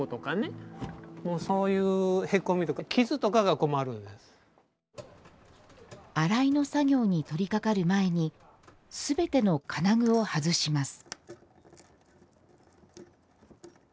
ここらこう洗いの作業に取りかかる前に全ての金具を外します